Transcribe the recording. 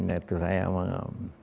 itu saya menganggap